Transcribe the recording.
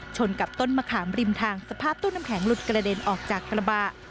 ชนกับต้นมะขามริมทางสภาพตู้น้ำแข็งหลุดกระเด็นออกจากกระบะ